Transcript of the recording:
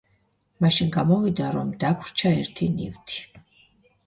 მაშინ გამოვიდა, რომ დაგვრჩა ერთი ნივთი.